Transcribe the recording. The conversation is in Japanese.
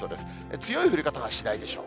強い降り方はしないでしょう。